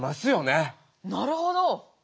なるほど！